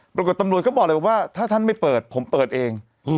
ตำรวจก็บอกเลยว่าถ้าท่านไม่เปิดผมเปิดเอง